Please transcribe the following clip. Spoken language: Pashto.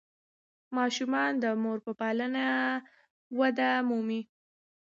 ماشومان د مور په پالنه وده مومي.